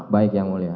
baik yang mulia